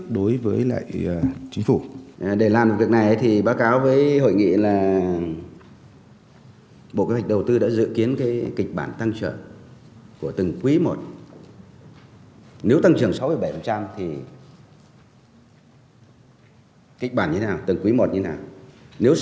đối với các nền kinh tế